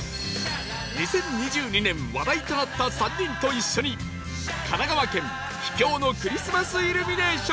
２０２２年話題となった３人と一緒に神奈川県秘境のクリスマスイルミネーションへ